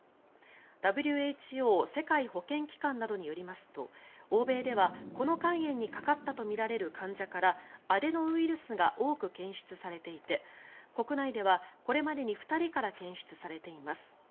ＷＨＯ・世界保健機関などによりますと欧米ではこの肝炎にかかったとみられる患者からアデノウイルスが多く検出されていて国内では、これまでに２人から検出されています。